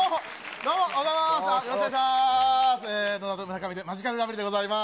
どうも、おはようございます。